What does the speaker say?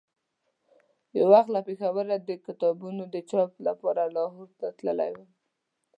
یو وخت له پېښوره د کتابونو د چاپ لپاره لاهور ته تللی وم.